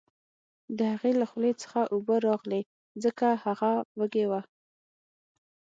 د هغې له خولې څخه اوبه راغلې ځکه هغه وږې وه